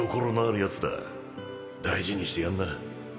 大事にしてやんな